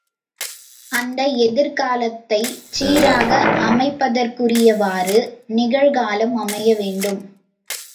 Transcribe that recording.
அந்த எதிர்காலத்தைச் சீராக அமைப்பதற்குரியவாறு நிகழ்காலம் அமைய வேண்டும்.